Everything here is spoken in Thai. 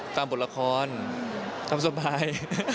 บทละครตามสบาย